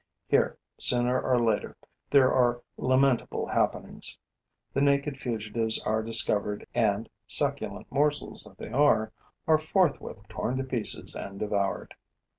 Here, sooner or later, there are lamentable happenings. The naked fugitives are discovered and, succulent morsels that they are, are forthwith torn to pieces and devoured.